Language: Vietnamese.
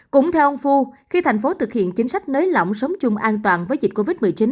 cũng theo ông phu khi thành phố thực hiện chính sách nới lỏng sống chung an toàn với dịch covid một mươi chín